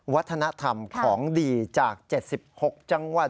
วัฒนธรรมของดีจาก๗๖จังหวัด